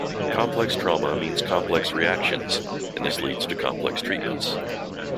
Complex trauma means complex reactions and this leads to complex treatments.